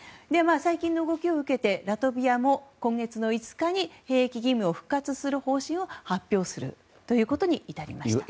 最近の動きを受けてラトビアも今月の５日に兵役義務を復活する方針を発表することに至りました。